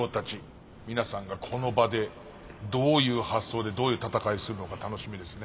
皆さんがこの場でどういう発想でどういう戦いするのか楽しみですね。